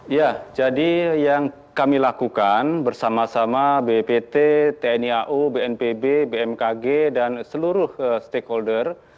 ya jadi yang kami lakukan bersama sama bppt tni au bnpb bmkg dan seluruh stakeholder